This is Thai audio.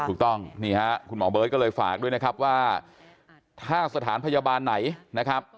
ถูกต้องนี่ฮะคุณหมอเบิร์ตก็เลยฝากด้วยนะครับว่าถ้าสถานพยาบาลไหนนะครับ